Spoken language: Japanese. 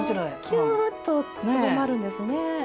キューッとすぼまるんですね。